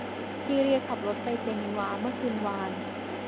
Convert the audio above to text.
ซีเลียขับรถไปเจนีวาเมื่อคืนวาน